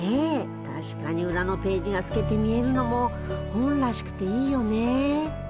確かに裏のページが透けて見えるのも本らしくていいよね。